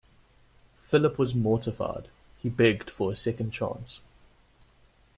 Philip was mortified. He begged for a second chance.